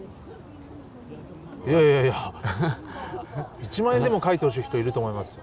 いやいや１万円でも描いてほしい人いると思います。